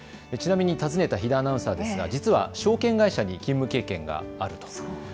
ちなみに訪ねた比田アナウンサーですが実は証券会社に勤務経験があると。